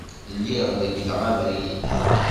Lliɣ regleɣ abrid.